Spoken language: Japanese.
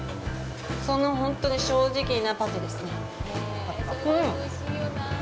そのほんとに正直なパティですね。